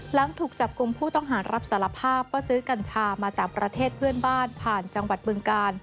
หลังถูกจับกลุ่มผู้ต้องหารับสารภาพว่าซื้อกัญชามาจากประเทศเพื่อนบ้านผ่านจังหวัดบึงกาล